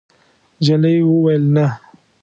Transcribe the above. نجلۍ وویل: «نه.»